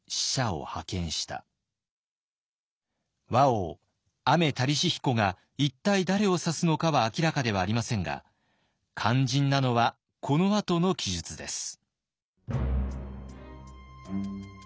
倭王アメタリシヒコが一体誰を指すのかは明らかではありませんが肝心なのはこのあとの記述です。